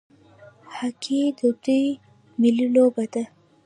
هاکي د دوی ملي لوبه ده.